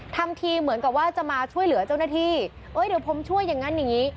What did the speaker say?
ทำทีเหมือนกับว่าจะมาช่วยเหลือเจ้าหน้าที่เอ้ยเดี๋ยวผมช่วยอย่างงั้นอย่างงี้